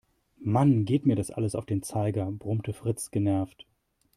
Mann, geht mir das alles auf den Zeiger, brummte Fritz genervt.